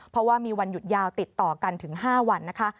เพราะว่ามีวันหยุดยาวติดต่อกันถึง๕วันนะคะ